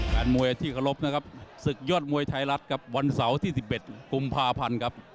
แฟนมวยที่เคารพนะครับศึกยอดมวยไทยรัฐครับวันเสาร์ที่๑๑กุมภาพันธ์ครับ